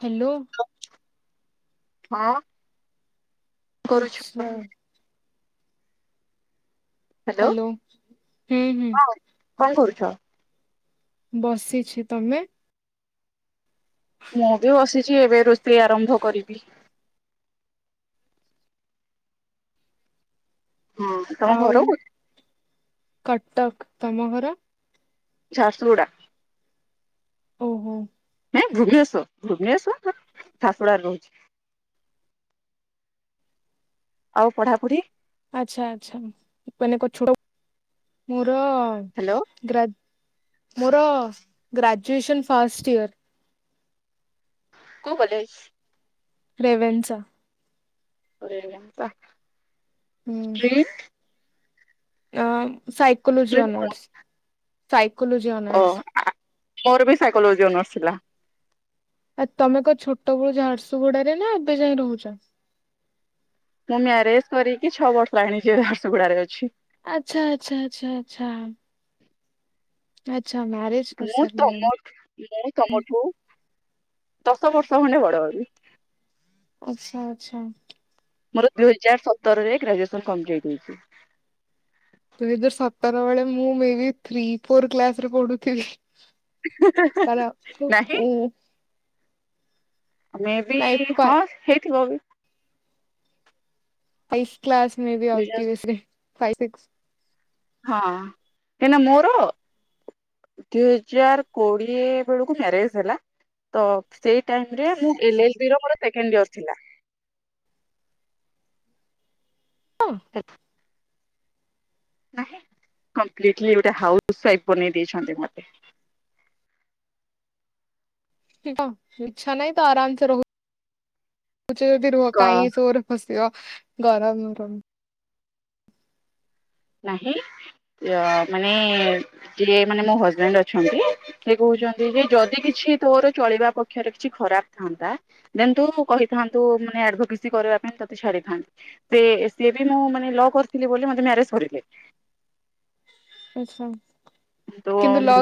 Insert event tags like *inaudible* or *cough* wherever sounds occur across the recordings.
Hello ହ *inaudible* କରୁଛ, ଆଚ୍ଛା ହ୍ୟାଲୋ ହୁଁ ହୁଁ ହଁ କରୁଛ ବସିଛି ତମେ ମୁଁ ବି ବସିଛି ଏବେ ରୋଷେଇ ଆରମ୍ଭ କରିବି ହୁଁ ତମ ଆଉ ଘରକୁ କଟକ ତମ ଘର? ଶାସ୍ତ୍ରୁଡ଼ା *inaudible* ଓହୋ। ନାଇଁ ଭୁବନେଶ୍୍ୱର ଭୁବନେଶ୍୍ୱର ଝାସୁଡାାରେ ରହୁଛି। ଆଉ ପଢାପଢି ଆଚ୍ଛା ଆଚ୍ଛା ଛୋଟ ହ ହ୍ୟାଲୋ ଗ୍ରା *inaudible* ମୋର ଗ୍ରାଜୁଏସନ ଫାଷ୍ଟ ଇର କୁ କଲେ। ରେଭେନ୍ସ *inaudible* ଓ *inaudible* ଟ୍ରେ। ଆଃ। ସାଇକୋଲୋଜି ଷ୍ଟ୍ରିମ୍ କଣ ଅନନର୍ସ। ଫାଇପ। କୋଲୋଜି ଓ ଅନର୍ଶ। ମୋର ବି ସାଇକୋଲୋଜି ଅନରର୍ଶ ଥିଲା। ଆ ତମେ କଣ ଛୋଟ ବେଳୁ ଝାରସୁଗୁଡାରେ ନା ଏବେ ଯାଏ ରୋହୁଛ। ମୁଁ ମ୍ୟାରେଜ କରିକି ଛଅ ବର୍ଷ ହେଲାଣି ଝାରସୁଗୁଡାରେ ଅଛି। ଆଚ୍ଛା ଆଚ୍ଛା ଆଚ୍ଛା ଆଚ୍ଛା। *unintelligible* ଆ ଆଚ୍ଛା ମ୍ୟାରେଜ୍ କରି ମୁଁ ତମ ସାରିଲେଣି। ମୁଁ ତମଠୁ ଦଶ ବର୍ଷ ଖଣ୍ଡେ ବଡ ହେବି। ଆଚ୍ଛା ଆଚ୍ଛା। ମୋର ଦୁଇ ହଜାର ସତରରେ ଗ୍ରାଜୁଏସନ କମ୍ପ୍ଲିଲିଟ୍ ହେଇଛି। ଦୁଇ ହଜାର ସତର ବେଳେ ମୁଁ ମେ ବି ଥ୍ରି ଫୋର୍ କ୍ଲାସ ରେ ପଢୁଥିଲି। ତାର ନାହିଁ। ଓ ମେ ବି ନାଇଁ ଫାଇ ହଁ ହେଇଥିବ ବି। ପଇ କ୍ଲାସ୍ ମେ ବି ଦୁଇ ଆତି ହଜାର ବେଶୀ ରେ ସେ ଫାଇ ସିକ୍ସ। ହଁ କାହିଁକି ମୋର ଦୁ ହଜାର କୋଡିଏ ବେଳକୁ ମ୍ୟାରେଜ ହେଲା ତ ସେଇ ଟାଇମରେ ଏଲ ଏ ବିର ସେକେଣ୍ଡ ଟାଇମ ଥିଲା। ହଁ ଆ *inaudible* ଠ ଇଚ୍ଛା ନାହିଁ ତ ଆରାମ ସେ ରହୁ ଚ ଯଦି ରୁହ କ କାଇଁ ଚୋର ଫସିବ। ଗରମ ନାହିଁ ମାନେ ଯିଏ ମାନେ ମୋ ହଜବେଣ୍ଡ ଅଛନ୍ତି। ସେ କହୁଛନ୍ତି ଯେ ଯଦି କିଛି କିଛି ତୋର ଚଳିବା ପକ୍ଷରେ କିଛି ଖରାପ ଥାନ୍ତା ଜେନ ତୁ କହିଥାନ୍ତୁ ମାନେ ଆଡଭୋକେସି କରିବା ପାଇଁ ତୋତେ ଛାଡିଥାନ୍ତନ୍ତି ସେ ସିଏ ବି ମୁଁ ମାନେ ଲ କରିଥିଲି ବୋଲି ମତେ ମ୍ୟାରେଜ କରିଥିଲି। ଲେ। ଆଚ୍ଛା। କିନ୍ତୁ ଲ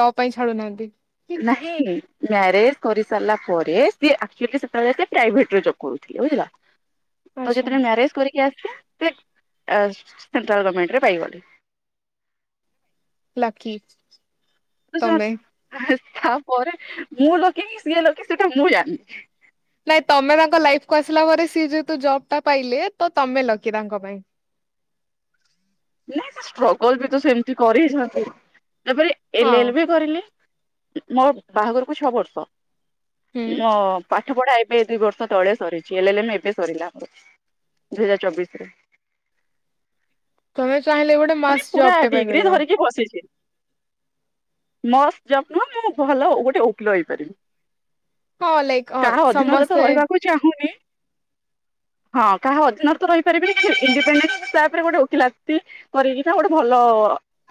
ଲ ପାଇଁ ଛାଡୁନାହାନ୍ତି। ନାହିଁ ମ୍ୟାରେଜ କରି ସାରିଲା ପରେ ସିଏ ଏକ୍ଚ୍ୟଅଲି ସେତେବେଳେ ପ୍ରାଇଭେଟରେ ଜବ କରୁଥିଲେ। ତ ଆଚ୍ଛା। ଯେତେ ବେଳେ ମ୍ୟାରେଜ କରିକି ଆସିଛି ସେଣ୍ଟ୍ରାଲ ଗଭର୍ମେଣ୍ଟରେ ପାଇଗଲି। ଲକି। *inaudible* ତମେ କାହାରି ୟା ପରେ ମୁଁ ଲକିନି ସିଏ ଲକି ସେଟା ମୁଁ ଜାଣେ ନାଇଁ ତମେ ତାଙ୍କ ଲାଇଫ କୁ ଆସିଲା ପରେ ସିଏ ଯେହେତୁ ଜବଟା ପାଇଲେ ତ ତମେ ଲକି ତାଙ୍କ ପାଇଁ ନାଇଁ ସେ ଷ୍ଟ୍ରଗଲ ବି ତ ସେମିତି କରିଛନ୍ତି ତାପରେ ହଁ ଏଲ ଏଲ ବି କରିଲେ ମୋ ବାହାଘରକୁୁ ଛଅ ବର୍ଷ ହୁଁ ମୋ ପା ପାଠ ପଢା ଏବେ ଦିଇ ବର୍ଷ ତଳେ ସରିଛି ଏଲ ଏଲ ଏମ ଏବେ ସରିଲା ଦୁଇ ହଜାର ଚବିଶି ରେ ତମେ ଚାହିଁଲେ ଗୋଟେ ମାନେ ମସ୍ତ ପୁରା ଜବ ଟା ପାଇଁ ଡିଗ୍ରୀ ପାରିବ ଧରିକି ବସିଛି ମସ୍ତ ଜବ ନ ମୁଁ ଭଲ ଗୋଟେ ଓକିଲ ହେଇପାରିବି ହଁ ଲାଇକ୍ ହଁ କାହା ଅଧୀନରେ ତ ସମସ୍ତେ ରହିବାକୁ ଚାହୁଁନି ହଁ କାହା ଅଧୀନ ତ ରହି ପାରିବିନି କି ଇଣ୍ଡିପେଣ୍ଡେଣ୍ଟ ତାପରେ ଗୋଟେ ଓକିଲ *inaudible* କରିକି ଗୋଟେ ଭଲ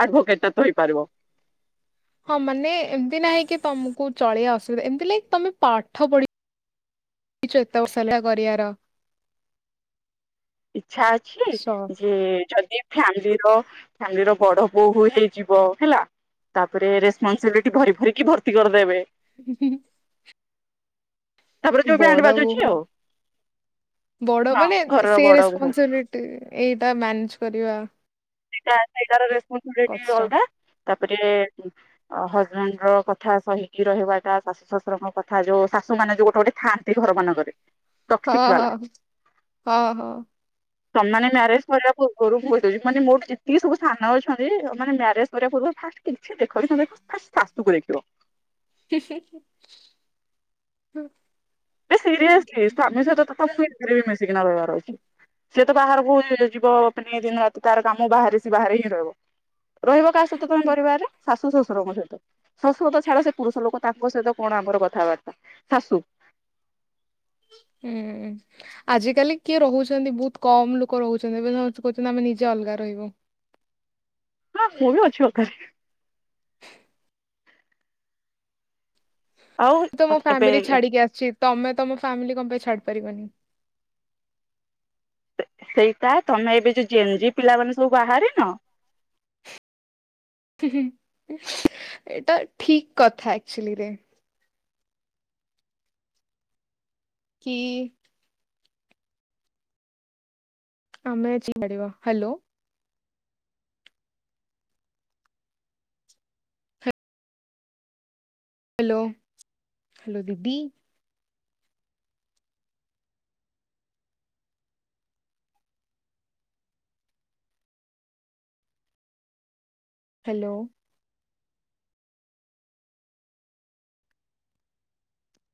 ଆଡ଼ଭୋକେଟଟା ତ ହେଇପାରିବ ହଁ ମାନେ ଏମତି ନାହିଁ କି ତମକୁ ଚଳିବା ଅସୁବିଧା ଏମିତି ଲାଇକ ତମେ ପାଠ ପଢ଼ି *inaudible* ଛ କରିବାର *unintelligible* ଇଚ୍ଛା ଅଛି ଆଚ୍ଛା ଯେ ଯଦି ଫ୍ୟାମିଲି ର ଫ୍ୟାମିଲିର ବଡ ବୋହୁ ହେଇଯିବ ହେଲା ତାପରେ ରେସପନସିବିଲିଟି ଭରି ଭରିକି ଭର୍ତି କରିଦେବେ ହ ତାପରେ ଯୋଉ ବି *inaudible* ଆଣ୍ଡ ବାଜ ଅଛି ବୋହୂ ଆଉ ବଡ ହାଁ ମାନେ ଘର ସେ ରେସପନ୍ସିବିଲିଟି ଏଇଟା ମ୍ୟାନେଜ କରି କିମ୍ୱା ସେଟା ସେଇଟା ରେସ କ ଡି ରଲଦା *unintelligible* *inaudible* ତାପରେ ହଜବେଣ୍ଡ ର କଥା ସହିକି ରହିବାଟା ଶାଶୁ ଶଶୁରଙ୍କ କଥା ଯୋଉ ଶାଶୁ ମାନେ ଯୋଉ ଗୋଟେ ଗୋଟେ ଥାଆନ୍ତି ଘର ମାନଙ୍କରେ ହଁ ଟକ୍ସିକ ହଁ ବାଲା ହଁ ହଁ ତମମାନେ ମ୍ୟାରେଜ କରିବା ପୂର୍ବରୁ କହି *inaudible* ମାନେ ମୋ ଗୋଟେ ଯେତିକି ସବୁ ସାନ ଅଛନ୍ତି ମାନେ ମ୍ୟାରେଜ କରିବା ପୂର୍ବରୁ ଫାଷ୍ଟ କିଛି ଦେଖନି ଫାଷ୍ଟ ଶାଶୁକୁ ଦେଖିବ ହଁ ବି ସିରିଏସଲି ସ୍ଵାମୀ ସହିତ ତ *unintelligible* ସିକନାଲାର *inaudible* *unintelligible* ଅଛି ସିଏ ତ ବାହାରକୁ ଯିବ ପ୍ରତି ଦିନ ତ ତାର କାମ ବାହାରେ ସେ ବାହାରେ ହିଁ ରହିବ ରହିବ କାହା ସହିତ ତମେ ପରିବାରରେ ଶାଶୁ ଶଶୁରଙ୍କ ସହିତ ଶଶୁର ତ ଛାଡ ସେ ପୁରୁଷ ଲୋକ ତାଙ୍କ ସହିତ କଣ ଆମର କଥାବାର୍ତ୍ତା ଶାଶୁ ହୁଁ ଆଜିକାଲି କିଏ ରହୁଛନ୍ତି ବହୁତ କମ ଲୋକ ରହୁଛନ୍ତି ଏବେ କହୁଛନ୍ତି ଆମେ ନିଜେ ଅଲଗା ରହିବୁ ହଁ ମୁଁ ବି ଅଛି ଅଲଗାରେ ଆଉ ତୁ ଏବେ ଫ୍ୟାମିଲି ଛାଡିକି ଅଛି ତମେ ତମ ଫ୍ୟାମିଲି କଣ ପାଇଁ ଛାଡି ପାରିବନି ସେଇଟା ତମେ ଏବେ ଯୋଉ ଜେଲ୍ ଜି ପିଲାମାନେ ସବୁ ବାହାରିନ ହୁଁ ହୁଁ ଏଇଟା ଠିକ କଥା ଆକଚୁଲି ରେ କି ଆମେ ଜି ପାରିବ ହ୍ୟାଲୋ ହ୍ୟାଲୋ ହ୍ୟାଲୋ ଦିଦି ହ୍ୟାଲୋ